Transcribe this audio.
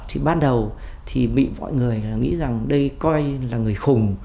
thì ban đầu thì bị mọi người nghĩ rằng đây coi là người khủng